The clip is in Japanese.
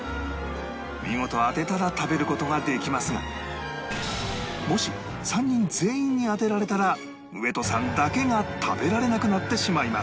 見事当てたら食べる事ができますがもし３人全員に当てられたら上戸さんだけが食べられなくなってしまいます